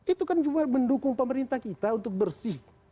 itu kan juga mendukung pemerintah kita untuk bersih